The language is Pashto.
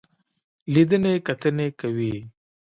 لیدنې کتنې کوي.